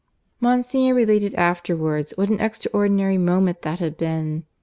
Monsignor related afterwards what an extraordinary moment that had been.